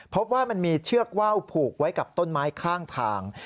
พบว่ามันมีเชือกว่าวผูกไว้กับต้นไม้ข้างทาง